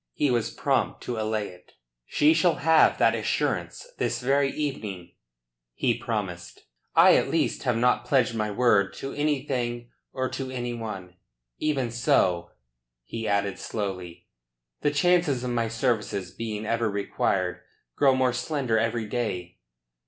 He was prompt to allay it. "She shall have that assurance this very evening," he promised. "I at least have not pledged my word to anything or to any one. Even so," he added slowly, "the chances of my services being ever required grow more slender every day.